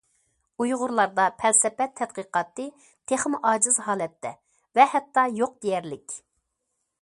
ئۇيغۇرلاردا پەلسەپە تەتقىقاتى تېخىمۇ ئاجىز ھالەتتە ۋە ھەتتا يوق دېيەرلىك.